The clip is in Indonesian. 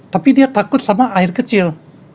tapi dia takut sama air kecil